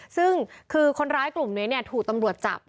ซึ่งคือคนร้ายกลุ่มนี้ถูกตำรวจจับ